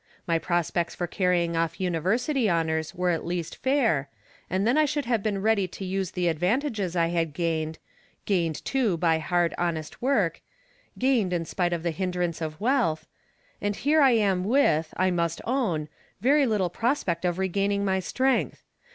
My prospects for carrying off University honors were at least fair, and then I should have been ready to use the advantages I had gained — gained, too, by hard, honest work — gained in spite of the hindrance of wealth — and here I am with, I must own, very little pros 50 J^rom Different Standpoints, pect of regaining my strength.